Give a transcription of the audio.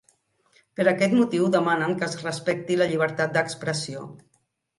Per aquest motiu demanen que es respecti la llibertat d’expressió.